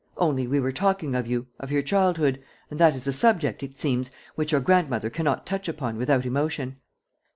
Only, we were talking of you, of your childhood; and that is a subject, it seems, which your grandmother cannot touch upon without emotion."